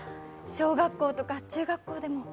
小学校とか中学校でも。